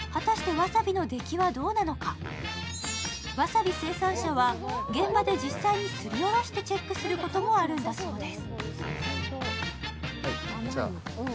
わさび生産者は現場で実際にすりおろしてチェックすることもあるんだそうです。